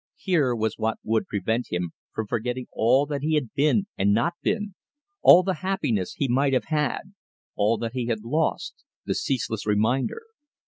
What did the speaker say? Here was what would prevent him from forgetting all that he had been and not been, all the happiness he might have had, all that he had lost the ceaseless reminder.